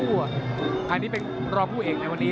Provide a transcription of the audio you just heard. อันนี้เป็นรองผู้เอกในวันนี้